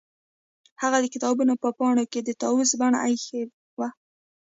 هغه د کتابونو په پاڼو کې د طاووس بڼکه ایښې وه